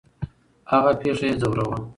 هغه پېښه یې ځوراوه.